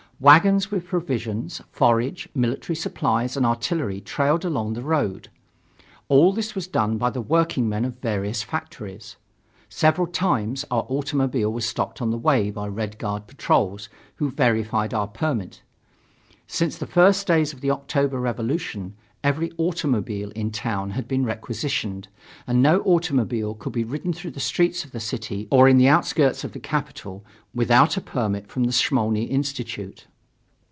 Wagons with provisions, forage, military supplies and artillery trailed along the road. All this was done by the workingmen of various factories. Several times our automobile was stopped on the way by Red Guard patrols who verified our permit. Since the first days of the October revolution, every automobile in town had been requisitioned, and no automobile could be ridden through the streets of the city or in the outskirts of the capital without a permit from the Smolny Institute.